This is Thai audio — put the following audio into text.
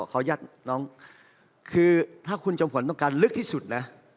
๑นาทีขอยัดน้องคือถ้าคุณจงผลต้องการลึกที่สุดนะ